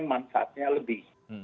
kemampuan mereka lebih